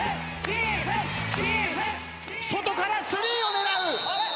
外からスリーを狙う！